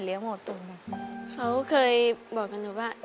นี้เป็นรายการทั่วไปสามารถรับชมได้ทุกวัย